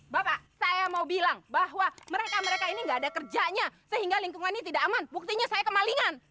bapak saya mau bilang bahwa mereka mereka ini nggak ada kerjanya sehingga lingkungan ini tidak aman buktinya saya kemalingan